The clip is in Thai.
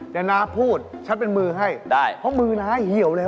เดี๋ยวน้าพูดฉันเป็นมือให้ได้เพราะมือน้าเหี่ยวเลย